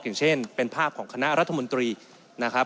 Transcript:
อย่างเช่นเป็นภาพของคณะรัฐมนตรีนะครับ